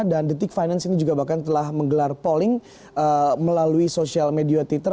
dan detik finance ini juga bahkan telah menggelar polling melalui social media twitter